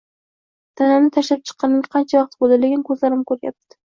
Tanamni tashlab chiqqanimga qancha vaqt bo‘ldi, lekin ko‘zlarim ko‘ryapti